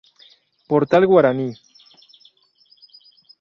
Portal Guaraní